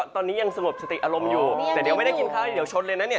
ตอนนี้ยังสงบสติอารมณ์อยู่แต่เดี๋ยวไม่ได้กินข้าวเดี๋ยวชดเลยนะเนี่ย